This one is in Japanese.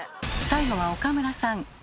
最後は岡村さん。